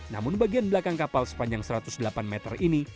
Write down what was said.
namun bagian belakang kapal sepanjang satu ratus delapan meter ini